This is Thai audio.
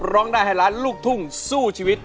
ร้องได้ให้ล้านลูกทุ่งสู้ชีวิต